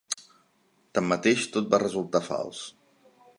Tanmateix, tot va resultar fals.